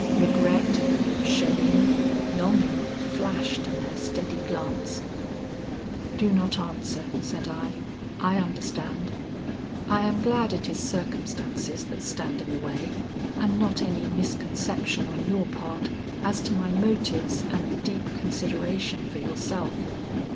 Regret, shame, longing flashed in her steady glance. "Do not answer," said I, "I understand; I am glad it is circumstances that stand in the way, and not any misconception on your part as to my motives and deep consideration for yourself.